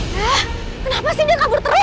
hah kenapa sih dia kabur terang